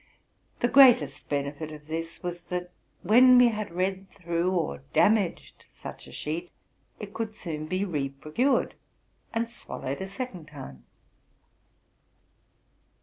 The greatest benefit of this was, that, when we had read through or damaged such a sheet, it could soon be reproeured, and swallowed a second time. ' RELATING TO MY LIFE.